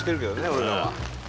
俺らは。